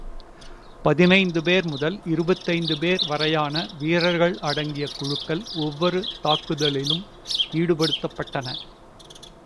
பதினைந்து பேர் முதல் இருபத்தைந்து பேர் வரையான வீரர்கள் அடங்கிய குழுக்கள் ஒவ்வொரு தாக்குதலிலும் ஈடுபடுத்தப்பட்டன.